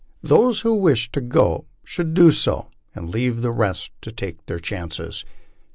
Those who wished to go should do so and leave the rest to take their chances."